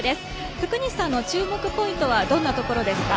福西さんの注目ポイントはどこですか。